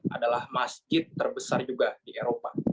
adalah masjid terbesar juga di eropa